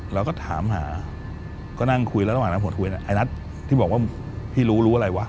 เราก็ถามหาก็นั่งคุยแล้วระหว่างนั้นผมคุยไอ้นัทที่บอกว่าพี่รู้รู้อะไรวะ